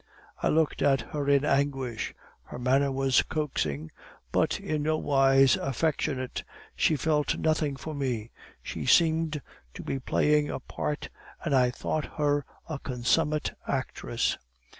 "I looked at her in anguish. Her manner was coaxing, but in no wise affectionate; she felt nothing for me; she seemed to be playing a part, and I thought her a consummate actress.